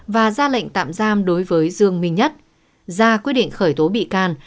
và ra lệnh tạm giam đối với dương minh nhất ra quyết định khởi tố bị can